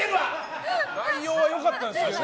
内容は良かったんですけどね。